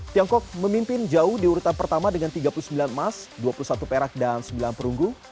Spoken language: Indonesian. tiongkok memimpin jauh di urutan pertama dengan tiga puluh sembilan emas dua puluh satu perak dan sembilan perunggu